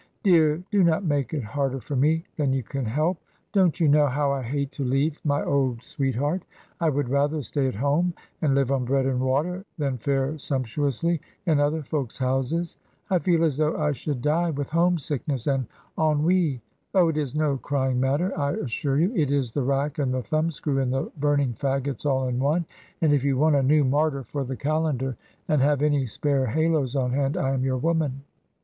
"Dear, do not make it harder for me than you can help. Don't you know how I hate to leave my old Sweetheart? I would rather stay at home and live on bread and water than fare sumptuously in other folks' houses; I feel as though I should die with home sickness and ennui. Oh, it is no crying matter, I assure you; it is the rack and the thumb screw and the burning faggots all in one, and if you want a new martyr for the calendar, and have any spare halos on hand, I am your woman."